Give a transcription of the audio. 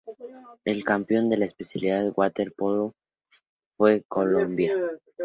El campeón de la especialidad Waterpolo fue Colombia.